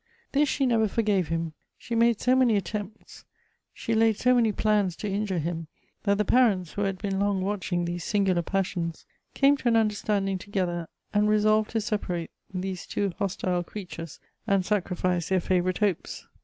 " This she never forgave him : she made so many attempts, she laid so many plans to injure hira, that the parents, who had been long watching these singular pas sions, came to an understanding together and resolved to separate these two hostile creatures, and sacrifice their favorite hopes.